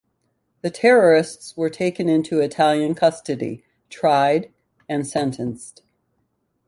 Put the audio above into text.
The terrorists were taken into Italian custody, tried and sentenced.